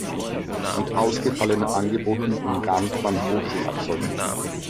Mit ausgefallenen Angeboten umgarnt man Hochschulabsolventen.